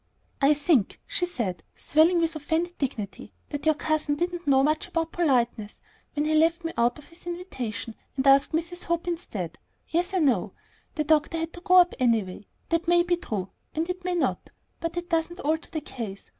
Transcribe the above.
"I think," she said, swelling with offended dignity, "that your cousin didn't know much about politeness when he left me out of his invitation and asked Mrs. Hope instead. Yes, I know; the doctor had to go up anyway. That may be true, and it may not; but it doesn't alter the case.